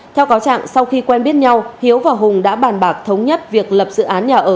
theo cáo trạng sau khi quen biết nhau hiếu và hùng đã bàn bạc thống nhất việc lập dự án nhà ở